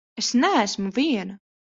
Es neesmu viena!